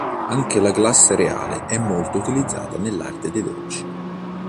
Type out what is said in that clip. Anche la glassa reale è molto utilizzata nell’arte dei dolci.